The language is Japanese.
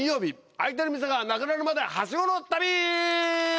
開いてる店がなくなるまでハシゴの旅！